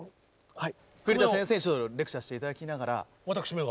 はい。